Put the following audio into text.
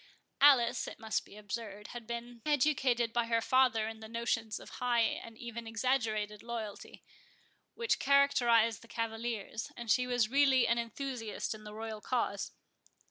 Alice, it must be observed, had been educated by her father in the notions of high and even exaggerated loyalty, which characterized the cavaliers, and she was really an enthusiast in the royal cause.